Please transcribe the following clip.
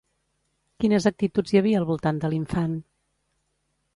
Quines actituds hi havia al voltant de l'infant?